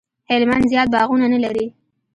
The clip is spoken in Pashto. هلمند زیات باغونه نه لري